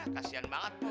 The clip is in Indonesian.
kasian banget po